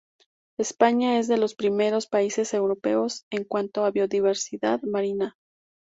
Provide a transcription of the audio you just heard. España es de los primeros países europeos en cuanto a biodiversidad marina.